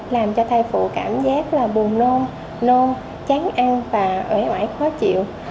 làm cho thai phụ cảm giác buồn nôn chán ăn và ủi ủi khó chịu